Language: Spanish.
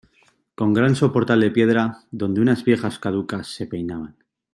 con gran soportal de piedra, donde unas viejas caducas se peinaban.